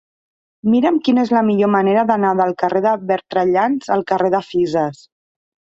Mira'm quina és la millor manera d'anar del carrer de Bertrellans al carrer de Fisas.